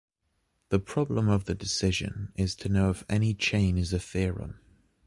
The problem of the decision is to know if any chain is a theorem.